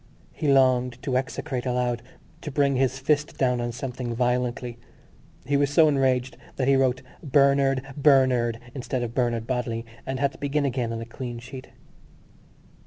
He longed to execrate aloud, to bring his fist down on something violently. He was so enraged that he wrote Bernard Bernard instead of Bernard Bodley and had to begin again on a clean sheet.